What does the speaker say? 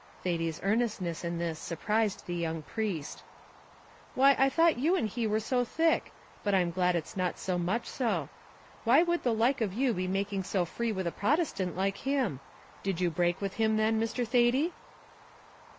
Thady's earnestness in this surprised the young priest. "Why, I thought you and he were so thick; but I'm glad it's not so much so. Why would the like of you be making so free with a Protestant like him? Did you break with him, then, Mr. Thady?"